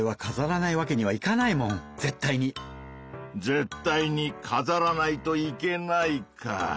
「『絶対に！』かざらないといけない」かぁ。